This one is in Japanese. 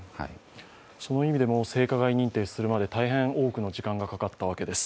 その意味でも性加害認定するまで大変多くの時間がかかったわけです。